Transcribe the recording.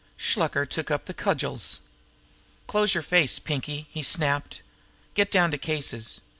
Shluker took up the cudgels. "You close your face, Pinkie!" he snapped. "Get down to cases!